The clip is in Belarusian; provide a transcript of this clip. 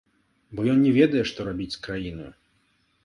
Бо ён не ведае, што рабіць з краінаю.